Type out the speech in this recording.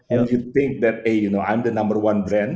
dan anda berpikir saya adalah nomor satu brand